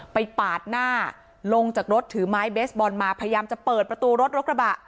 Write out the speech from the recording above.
ปาดหน้าลงจากรถถือไม้เบสบอลมาพยายามจะเปิดประตูรถรถกระบะ